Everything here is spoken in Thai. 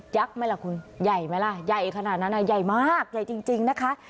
ไหมล่ะคุณใหญ่ไหมล่ะใหญ่ขนาดนั้นใหญ่มากใหญ่จริงนะคะ